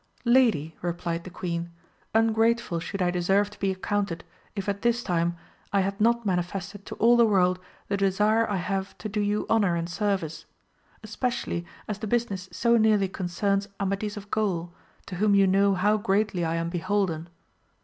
Lady, replied the queen, ungrateful should 1 deserve to be accounted, if at this time I had not manifested to all the world the desire I have to do you honour and service ; es pecially as the business so nearly concerns Amadis of Gaul, to whom you know how greatly I am beholden.